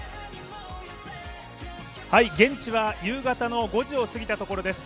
現地は夕方の５時を過ぎたところです。